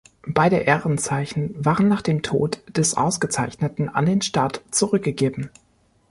Beide Ehrenzeichen waren nach dem Tod des Ausgezeichneten an den Staat zurückzugeben.